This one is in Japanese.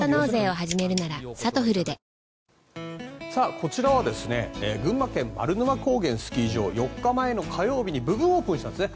こちらは群馬県・丸沼高原スキー場４日前の火曜日に部分オープンしたんですね。